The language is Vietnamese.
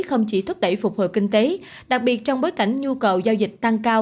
không chỉ thúc đẩy phục hồi kinh tế đặc biệt trong bối cảnh nhu cầu giao dịch tăng cao